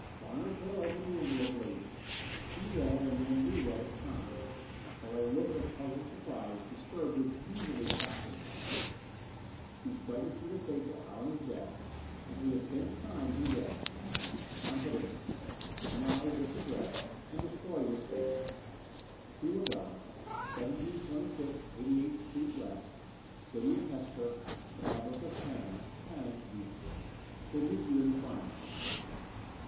Larner tore open the envelope lazily. He read and then re read its contents, while a look of puzzled surprise disturbed his usually placid countenance. He spread the sheet of paper out on his desk, and for the tenth time he read: Confidential. Memorize this address and destroy this paper: Tula Bela, 1726 88th Street, West, City of Hesper, Republic of Pana, Planet Venus. Will meet you in the Frying Pan.